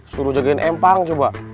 suruh jagain empang coba